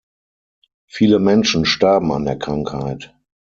Viele Menschen starben an der Krankheit.